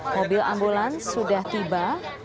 mobil ambulans sudah tiba